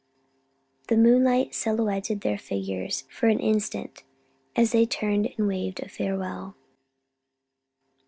Then the moonlight silhouetted their figures for an instant, as they turned and waved a farewell.